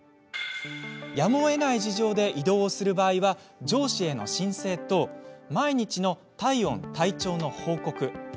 やむをえない事情で移動をする場合は上司への申請と毎日の体温、体調の報告。